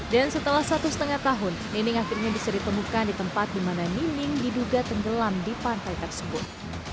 dan setelah satu setengah tahun nining akhirnya bisa ditemukan di tempat dimana nining diduga tenggelam di pantai tersebut